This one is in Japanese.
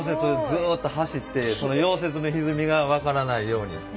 ずっと走ってその溶接のひずみが分からないように。